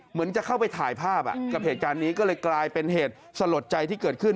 เหมือนจะเข้าไปถ่ายภาพกับเหตุการณ์นี้ก็เลยกลายเป็นเหตุสลดใจที่เกิดขึ้น